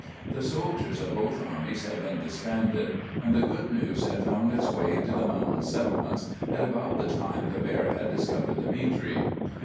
The soldiers of both armies had been disbanded, and the good news had found its way into the mountain settlements at about the time the bear had discovered the bee tree.